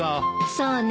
そうね